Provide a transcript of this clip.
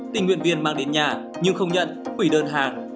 tình nguyện viên mang đến nhà nhưng không nhận quỷ đơn hàng